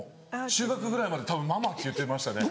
中学ぐらいまでたぶん「ママ」って言ってましたね。